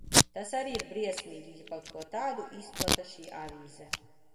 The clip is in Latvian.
Tas arī ir briesmīgi, ja kaut ko tādu izplata šī avīze.